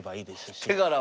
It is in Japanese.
手柄は。